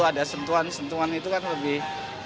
ada sentuhan sentuhan itu kan lebih